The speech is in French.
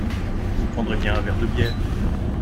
Vous prendrez bien un verre de bière.